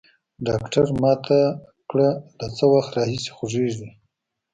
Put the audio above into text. ډاکتر ما ته کړه له څه وخت راهيسي خوږېږي.